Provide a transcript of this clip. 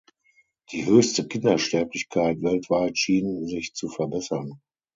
Die höchste Kindersterblichkeit weltweit schien sich zu verbessern.